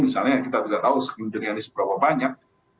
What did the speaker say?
misalnya kita tidak tahu sekilun jenis berapa banyak